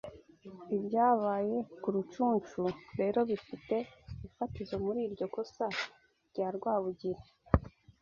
Ibyabaye ku Rucunshu rero bifite ifatizo muri iryo kosa rya Rwabugili